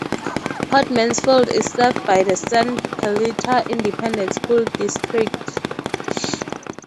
Port Mansfield is served by the San Perlita Independent School District.